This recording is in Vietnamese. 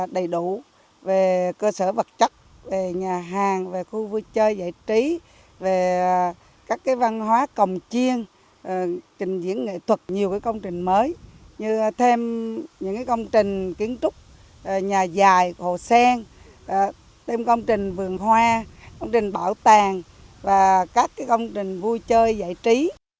đầy đủ về cơ sở vật chất về nhà hàng về khu vui chơi giải trí về các văn hóa còng chiên trình diễn nghệ thuật nhiều công trình mới như thêm những công trình kiến trúc nhà dài hồ sen thêm công trình vườn hoa công trình bảo tàng và các công trình vui chơi giải trí